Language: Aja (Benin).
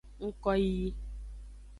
Ngkoyiyi.